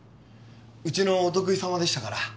うちのお得意様でしたから。